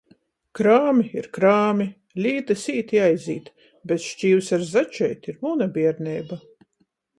Krāmi ir krāmi. Lītys īt i aizīt. Bet škīvs ar začeiti ir muna bierneiba.